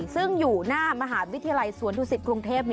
ซึ่งอยู่หน้ามหาวิทยาลัยสวนดุสิตกรุงเทพ